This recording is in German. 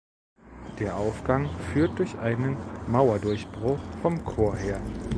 Der Aufgang führt durch einen Mauerdurchbruch vom Chor her.